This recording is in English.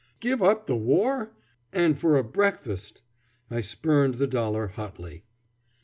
Give up the war! and for a breakfast. I spurned the dollar hotly.